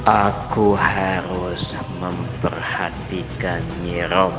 aku harus memperhatikan nyirombang